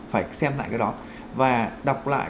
phải xem lại cái đó và đọc lại